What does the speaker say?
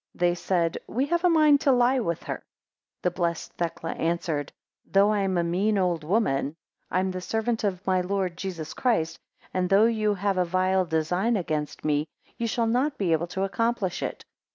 They said, We have a mind to lie with her. 7 The blessed Thecla answered, Though I am a mean old woman, I am the servant of my Lord Jesus Christ; and though you have a vile design against me, ye shall not be able to accomplish it.